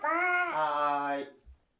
はい。